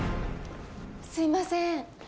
すみません。